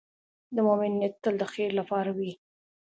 د مؤمن نیت تل د خیر لپاره وي.